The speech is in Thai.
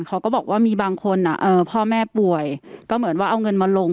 เขาก็บอกว่ามีบางคนพ่อแม่ป่วยก็เหมือนว่าเอาเงินมาลง